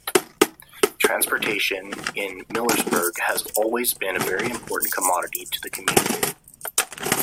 Transportation in Millersburg has always been a very important commodity to the community.